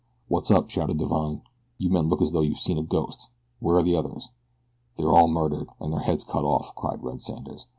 "What's up?" shouted Divine. "You men look as though you'd seen a ghost. Where are the others?" "They're all murdered, and their heads cut off," cried Red Sanders.